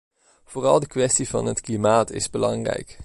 Vooral de kwestie van het klimaat is belangrijk.